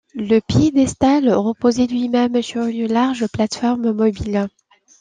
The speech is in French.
Le piédestal reposait lui-même sur une large plateforme mobile.